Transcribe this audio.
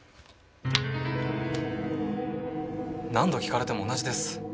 何度聞かれても同じです。